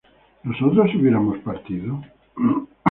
¿nosotros hubiéramos partido?